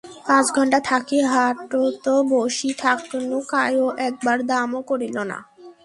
পাঁচ ঘণ্টা থাকি হাটোত বসি থাকনু কায়ো একবার দামও করিল না।